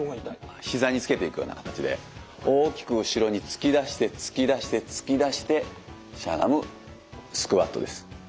膝につけていくような形で大きく後ろに突き出して突き出して突き出してしゃがむスクワットです。